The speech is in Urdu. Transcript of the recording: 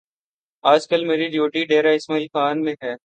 آج کل میری ڈیوٹی ڈیرہ اسماعیل خان میں ہے